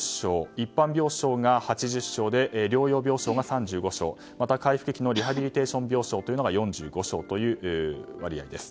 一般病床が８０床で療養病床が３５床回復期のリハビリテーション病床が４５床という割合。